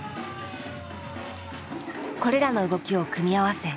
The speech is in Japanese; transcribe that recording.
これらの動きを組み合わせ